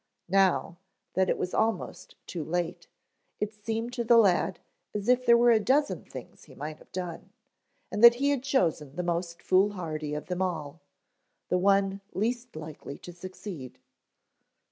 Now, that it was almost too late, it seemed to the lad as if there were a dozen things he might have done, and that he had chosen the most foolhardy of them all; the one least likely to succeed.